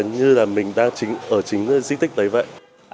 như là mình đang ở chính di tích đấy vậy